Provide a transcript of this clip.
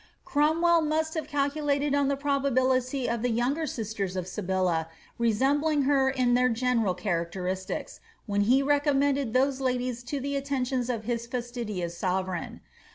Cromwell must have calculated on the probability of the younger sisters of Sybilla resembling her in their general characteristics, when be recommended those ladies to the attention of his fiutidious sovereigo.